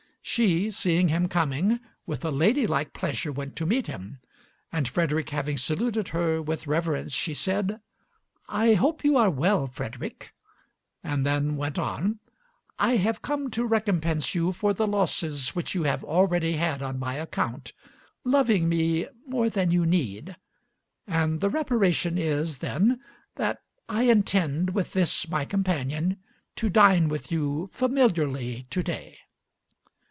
She, seeing him coming, with a ladylike pleasure went to meet him, and Frederick having saluted her with reverence, she said, "I hope you are well, Frederick," and then went on, "I have come to recompense you for the losses which you have already had on my account, loving me more than you need; and the reparation is, then, that I intend with this my companion to dine with you familiarly to day."